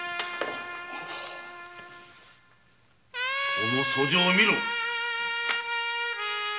この訴状を見ろ！